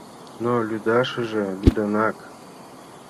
Но лӱдашыже лӱдынак?